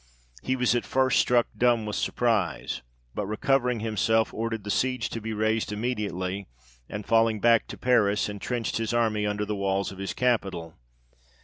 He was at first struck dumb with surprise ; but recovering himself, ordered the siege to be raised immediately, and falling back to Paris, entrenched his army under the walls of his capital.